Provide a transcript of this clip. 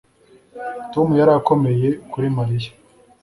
tom yari akomeye kuri mariya